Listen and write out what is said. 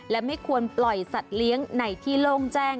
และไม่ควรปล่อยสัตว์เลี้ยงในที่โล่งแจ้ง